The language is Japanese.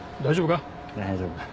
大丈夫か？